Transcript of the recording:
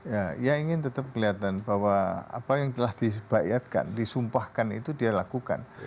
ya ia ingin tetap kelihatan bahwa apa yang telah dibayatkan disumpahkan itu dia lakukan